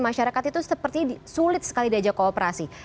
masyarakat itu sepertinya sulit sekali diajak kooperasi